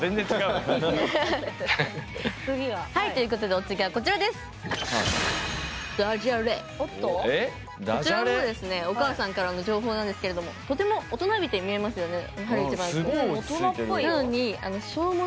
「だじゃれ」、こちらもお母さんからの情報なんですがとても大人びて見えますよね。